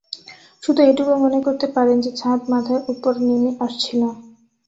শুধু এটুকু মনে করতে পারেন যে, ছাদ মাথার ওপর নেমে আসছিল।